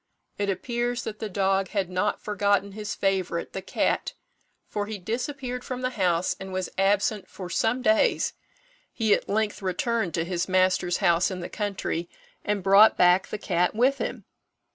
It appears that the dog had not forgotten his favourite, the cat, for he disappeared from the house, and was absent for some days. He at length returned to his master's house in the country, and brought back the cat with him.